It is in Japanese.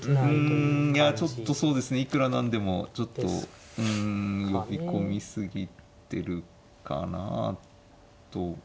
うんいやちょっとそうですねいくら何でもちょっとうん呼び込み過ぎてるかなと。